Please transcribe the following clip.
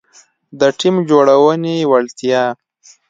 -د ټیم جوړونې وړتیا